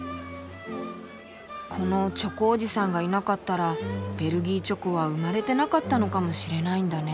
このチョコおじさんがいなかったらベルギーチョコは生まれてなかったのかもしれないんだね。